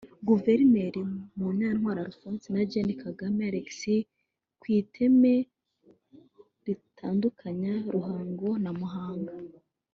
Guverineri Munyantwali Alphonse na Gen Kagame Alexis ku iteme ritandukanya Ruhango na Muhanga